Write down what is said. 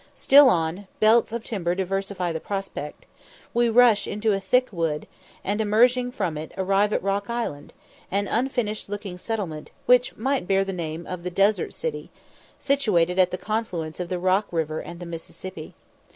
Still on belts of timber diversify the prospect we rush into a thick wood, and, emerging from it, arrive at Rock Island, an unfinished looking settlement, which might bear the name of the Desert City, situated at the confluence of the Rock River and Mississippi.